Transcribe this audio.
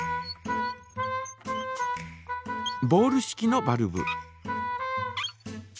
ボール式のバルブ。